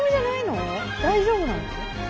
大丈夫なの？